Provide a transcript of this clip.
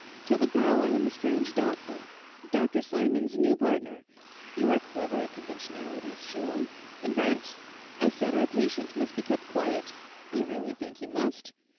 Tell the girl I am a strange doctor—Dr Simon's new partner. You are clever at conventionalities, Sheila. Invent! I said our patient must be kept quiet—I really think he must.